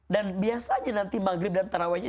dan biasanya nanti maghrib dan tarawihnya